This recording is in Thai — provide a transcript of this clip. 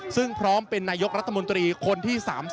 ซึ่งพร้อมเป็นนายกรัฐมนตรีคนที่๓๐